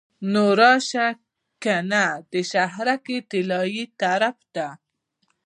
نو راشه کنه د شهرک طلایې طرف ته.